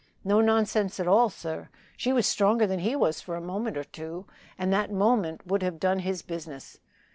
"No nonsense at all, sir. She was stronger than he was for a moment or two and that moment would have done his business.